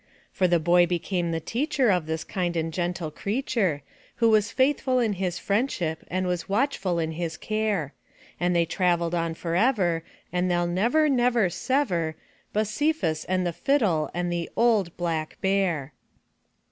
For the boy became the teacher of this kind and gentle creature. Who was faithful in his friendship and was watchful in his care. •»^'^• ±=t g^imteTTrj' l ITJjil And they traveled on forever and they'll never, never, sever, Bosephus and the fiddle and the Old — Black — Bear.